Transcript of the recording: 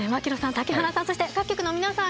竹鼻さんそして各局の皆さん